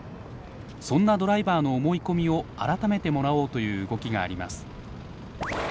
そんなドライバーの思い込みを改めてもらおうという動きがあります。